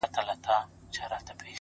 • خو په ونه کي تر دوی دواړو کوچنی یم,